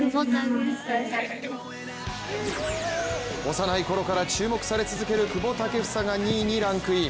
幼いころから注目され続ける久保建英が２位にランクイン。